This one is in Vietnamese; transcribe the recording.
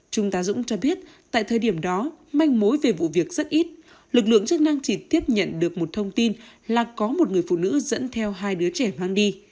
trung tá dũng cho biết tại thời điểm đó manh mối về vụ việc rất ít lực lượng chức năng chỉ tiếp nhận được một thông tin là có một người phụ nữ dẫn theo hai đứa trẻ mang đi